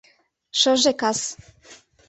Шыже кас.